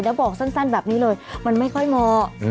แล้วบอกสั้นแบบนี้เลยมันไม่ค่อยเหมาะ